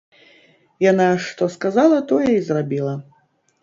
Яна, што сказала, тое й зрабіла.